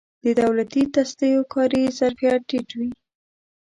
د دولتي تصدیو کاري ظرفیت ټیټ وي.